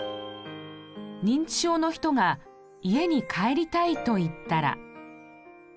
認知症の人が「家に帰りたい」と言ったら。